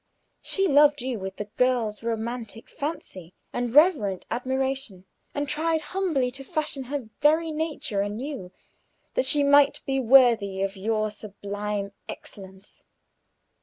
She loved you with the girl's romantic fancy and reverent admiration, and tried humbly to fashion her very nature anew, that she might be worthy of your sublime excellence.